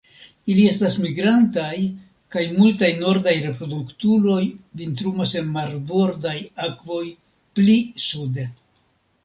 Ili estas migrantaj kaj multaj nordaj reproduktuloj vintrumas en marbordaj akvoj pli sude.